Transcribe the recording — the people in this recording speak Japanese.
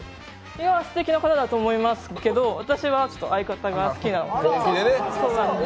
いや、すてきな方だと思いますけど、私は相方が好きなので。